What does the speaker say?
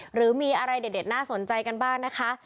หรือมีอะไรเด็ดน่าสนใจกันบ้างนะคะ